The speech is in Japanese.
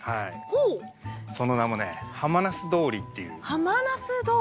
その名もね、はまなす通りっていう。